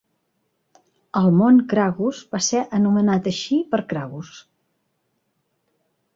El Mont Cragus va ser anomenat així per Cragus.